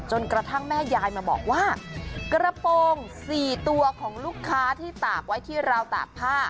กระทั่งแม่ยายมาบอกว่ากระโปรง๔ตัวของลูกค้าที่ตากไว้ที่ราวตากผ้า